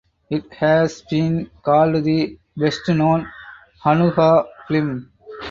It has been called the best known Hanukkah film.